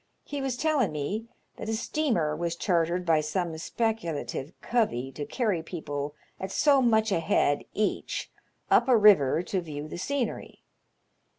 He was tellin' me that a steamer was chartered by some speculative covey to carry people at so much a head each up a river to view the scenery.